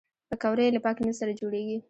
پکورې له پاک نیت سره جوړېږي